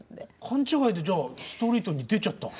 勘違いでじゃあストリートに出ちゃった。